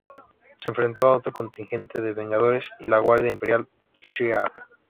Se enfrentó a otro contingente de Vengadores y la Guardia Imperial Shi'ar.